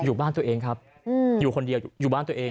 อยู่บ้านตัวเองครับอยู่คนเดียวอยู่บ้านตัวเอง